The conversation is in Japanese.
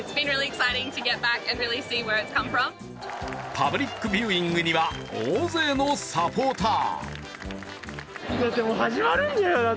パブリックビューイングには大勢のサポーター。